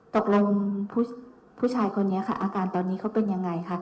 ตกลงผู้ชายคนนี้ค่ะอาการตอนนี้เขาเป็นยังไงคะ